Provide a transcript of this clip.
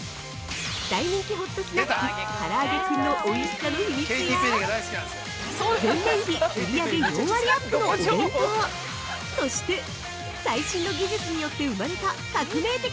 大人気ホットスナック「からあげクン」のおいしさの秘密や前年比売上４割アップのお弁当そして、最新の技術によって生まれた革命的